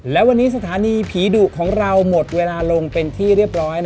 และวันนี้สถานีผีดุของเราหมดเวลาลงเป็นที่เรียบร้อย